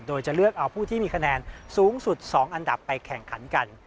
โดยจะเลือกเอาผู้ที่มีคะแนนสูงสุด๒อันดับไปแข่งขันกัน